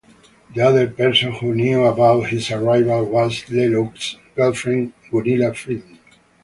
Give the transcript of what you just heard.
The other person who knew about his arrival was Lelouch's girlfriend Gunilla Friden.